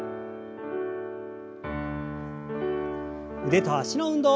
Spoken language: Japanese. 腕と脚の運動。